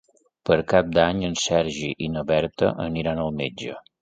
Per Cap d'Any en Sergi i na Berta aniran al metge.